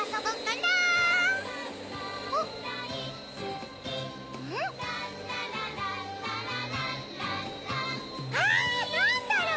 なんだろう？・